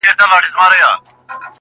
o حقيقت د وخت په تېرېدو کم نه کيږي,